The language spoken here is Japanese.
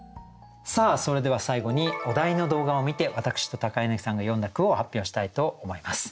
それでは最後にお題の動画を観て私と柳さんが詠んだ句を発表したいと思います。